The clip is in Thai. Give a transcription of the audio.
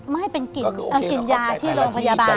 ไม่เป็นกินยาที่โรงพยาบาล